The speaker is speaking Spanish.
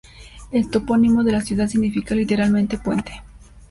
El topónimo de la ciudad significa literalmente "puente".